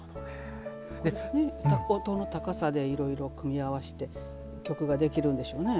音の高さでいろいろ組み合わせて曲ができるんでしょうね。